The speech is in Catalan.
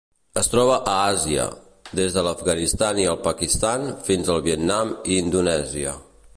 Es troba a Àsia: des de l'Afganistan i el Pakistan fins al Vietnam i Indonèsia.